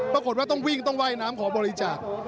ปรากฏว่าต้องวิ่งต้องว่ายน้ำขอบริจาค